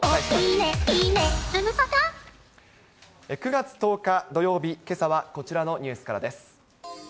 ９月１０日土曜日、けさはこちらのニュースからです。